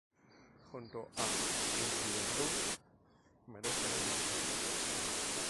Junto a "Into the Groove", merece la inmortalidad.